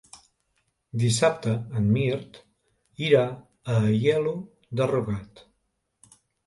Dissabte en Mirt irà a Aielo de Rugat.